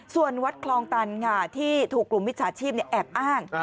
ส่วนวัดคลองตันค่ะที่ถูกกลุ่มมิจฉาชีพแอบอ้าง